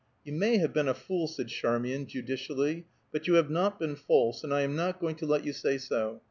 "You may have been a fool," said Charmian, judicially, "but you have not been false, and I am not going to let you say so.